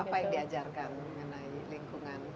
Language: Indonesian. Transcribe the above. apa yang diajarkan mengenai lingkungan